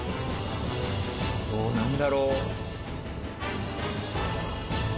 どうなんだろう。